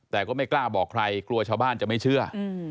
แต่ก็ไม่กล้าบอกใครกลัวชาวบ้านจะไม่เชื่อ